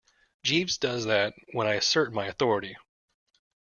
Jeeves does that when I assert my authority.